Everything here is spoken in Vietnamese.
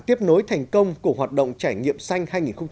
tiếp nối thành công của hoạt động trải nghiệm xanh hai nghìn một mươi bảy